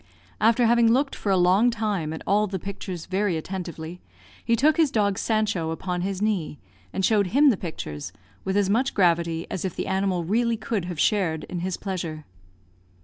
After having looked for a long time at all the pictures very attentively, he took his dog Sancho upon his knee, and showed him the pictures, with as much gravity as if the animal really could have shared in his pleasure.